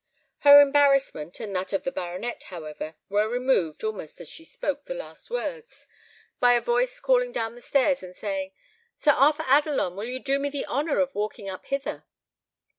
Her embarrassment, and that of the baronet, however, were removed, almost as she spoke the last words, by a voice calling down the stairs and saying, "Sir Arthur Adelon, will you do me the honour of walking up hither?"